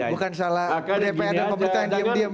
bukan salah dpr dan pemerintah yang diam diam